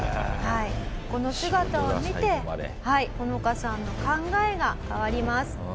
この姿を見てホノカさんの考えが変わります。